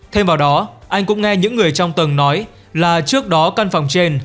thêm vào đó anh cũng nghe những người trong tầng nói là trước đó căn phòng trên